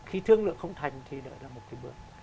khi thương lượng không thành thì đẩy ra một cái bước